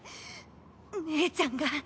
姉ちゃんが。